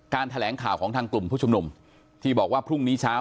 แถลงข่าวของทางกลุ่มผู้ชุมนุมที่บอกว่าพรุ่งนี้เช้า